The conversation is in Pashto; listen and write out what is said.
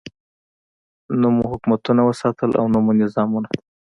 نه مو حکومتونه وساتل او نه مو نظامونه.